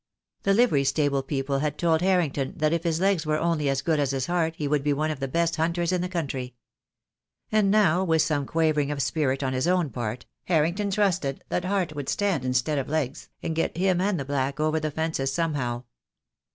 The livery stable people had told Harrington that if his legs were only as good as his heart he would be one of the best hunters in the county. And now, with some quaver ing of spirit on his own part, Harrington trusted that heart would stand instead of legs, and get him and the black over the fences somehow.